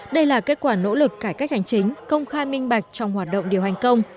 đây là kết quả nỗ lực cải cách hành chính công khai minh bạch trong hoạt động điều hành công